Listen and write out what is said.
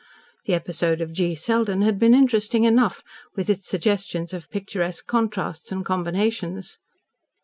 The episode of G. Selden had been interesting enough, with its suggestions of picturesque contrasts and combinations.